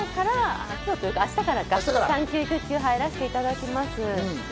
明日から産休に入らせていただきます。